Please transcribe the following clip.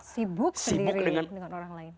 sibuk dengan orang lain